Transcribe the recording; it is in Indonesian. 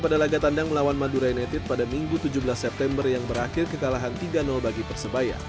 pada laga tandang melawan madura united pada minggu tujuh belas september yang berakhir kekalahan tiga bagi persebaya